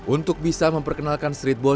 untuk bisa memperkenalkan streetball